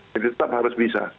jadi tetap harus bisa